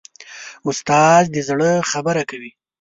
استاد د زړه خبرې کوي.